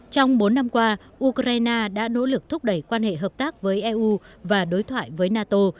trong bốn năm qua ukraine đã nỗ lực thúc đẩy quan hệ hợp tác với eu và đối thoại với nato